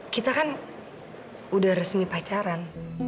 kita kan udah resmi pacaran